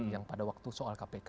yang pada waktu soal kpk